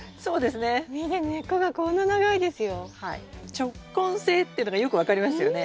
直根性っていうのがよく分かりますよね。